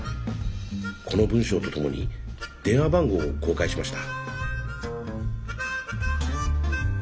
この文章とともに電話番号を公開しました。